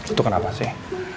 itu kenapa sih